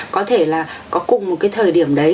có thể là có cùng một cái thời điểm đấy